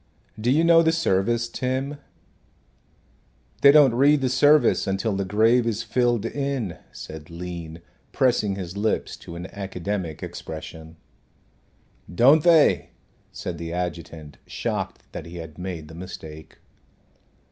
Do you know the service, Tim?" "They don't read the service until the grave is filled in," said Lean, pressing his lips to an academic expression. "Don't they?" said the adjutant, shocked that he had made the mistake.